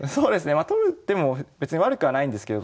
まあ取る手も別に悪くはないんですけど。